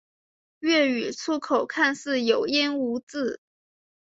粤语粗口看似有音无字。